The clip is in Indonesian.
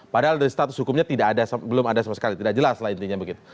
padahal dari status hukumnya belum ada sama sekali tidak jelas lah intinya begitu